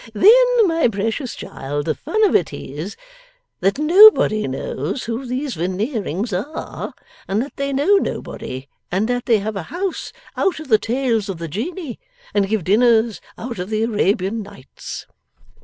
Then, my precious child, the fun of it is that nobody knows who these Veneerings are, and that they know nobody, and that they have a house out of the Tales of the Genii, and give dinners out of the Arabian Nights.